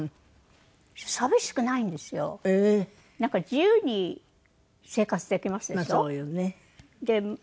自由に生活できますでしょ。